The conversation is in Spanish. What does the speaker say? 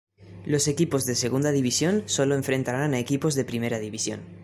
Los equipos de Segunda División solo enfrentarán a equipos de Primera División.